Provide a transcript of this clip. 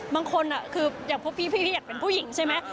บางคนคืออย่างพวกพี่ที่อยากเป็นผู้หญิงใช่ไหม